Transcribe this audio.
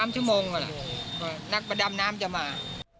๓ชั่วโมงก่อนนักประดาน้ำจะมา